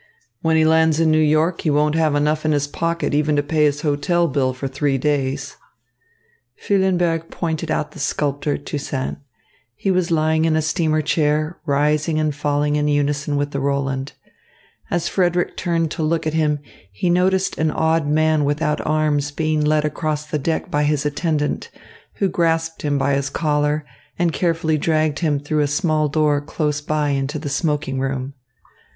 When he lands in New York, he won't have enough in his pocket even to pay his hotel bill for three days." Füllenberg pointed out the sculptor, Toussaint. He was lying in a steamer chair, rising and falling in unison with the Roland. As Frederick turned to look at him, he noticed an odd man without arms being led across the deck by his attendant, who grasped him by his collar and carefully dragged him through a small door close by into the smoking room.